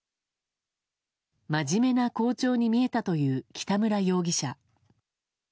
真面目な校長に見えたという北村容疑者。